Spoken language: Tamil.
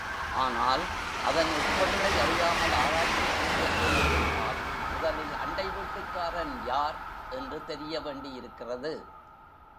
ஆனால், அதன் உட்பொருளை அறியாமல் ஆராய்ச்சி செய்ய ஆரம்பித்தால், முதலில் அண்டை வீட்டுக்காரன் யார் என்று தெரிய வேண்டியிருக்கிறது.